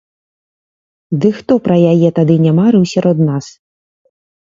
Ды хто пра яе тады не марыў сярод нас?